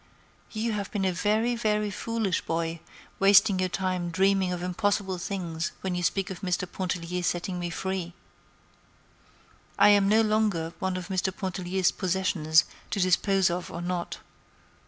"You have been a very, very foolish boy, wasting your time dreaming of impossible things when you speak of Mr. Pontellier setting me free! I am no longer one of Mr. Pontellier's possessions to dispose of or not.